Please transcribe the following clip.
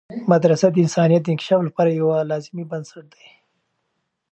مدرسه د انسانیت د انکشاف لپاره یوه لازمي بنسټ ده.